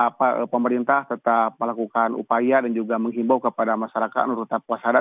saya lagi bahwa pemerintah tetap melakukan upaya dan juga menghimbau kepada masyarakat menurut saya puas hadat